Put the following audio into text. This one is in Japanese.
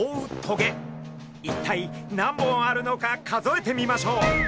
一体何本あるのか数えてみましょう。